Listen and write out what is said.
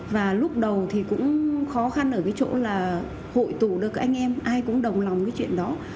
và lúc đầu thì cũng khó khăn ở cái chỗ là hội tụ được anh em ai cũng đồng lòng cái chuyện đó